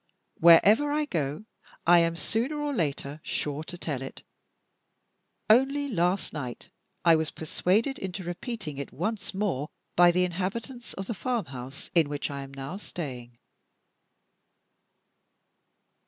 Wherever I go, I am sooner or later sure to tell it. Only last night, I was persuaded into repeating it once more by the inhabitants of the farmhouse in which I am now staying.